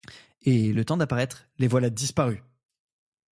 Et, le temps d’apparaître, Les voilà disparus!